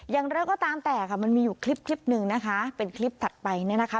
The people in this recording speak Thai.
ยังแล้วก็ตามแตกมันมีอยู่คลิปหนึ่งนะคะเป็นคลิปถัดไปนะคะ